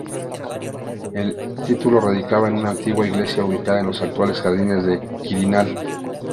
El título radicaba en una antigua iglesia ubicada en los actuales jardines del Quirinal.